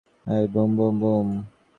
আমরা ফিরে আসবো।